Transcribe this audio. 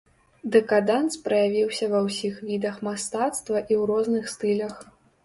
Дэкаданс праявіўся ва ўсіх відах мастацтва і ў розных стылях.